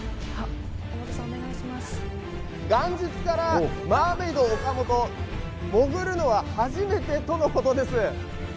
元日からマーメイド岡本、潜るのは初めてということです。